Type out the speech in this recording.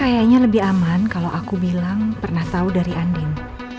kayaknya lebih aman kalau aku bilang pernah tahu dari andin